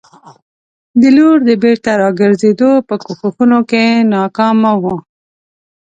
د لور د بېرته راګرزېدو په کوښښونو کې ناکامه وو.